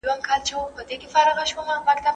ولي زیارکښ کس د ذهین سړي په پرتله هدف ترلاسه کوي؟